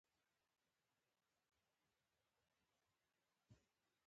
آیا د هلمند سیند اوبه دوی ته نه ورځي؟